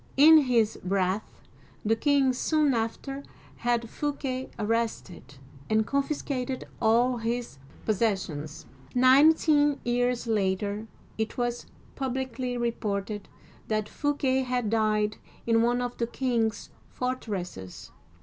In his wrath, the king soon after had Fouquet arrested, and confiscated all his possessions. Nineteen years later, it was publicly reported that Fouquet had died in one of the king's fortresses.